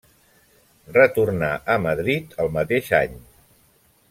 Retornà a Madrid el mateix any.